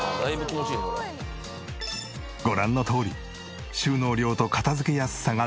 「ええすごい」ご覧のとおり収納量と片付けやすさが段違い。